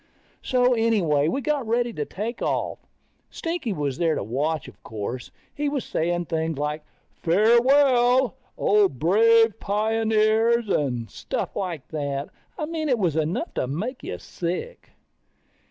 So anyway, we got ready to take off. Stinky was there to watch, of course. He was saying things like, farewell, O brave pioneers, and stuff like that. I mean it was enough to make you sick.